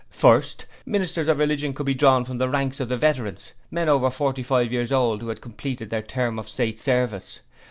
First, ministers of religion could be drawn from the ranks of the Veterans men over forty five years old who had completed their term of State service.